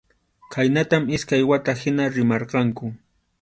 Khaynatam iskay wata hina rimarqanku.